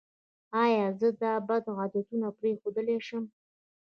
ایا زه دا بد عادتونه پریښودلی شم؟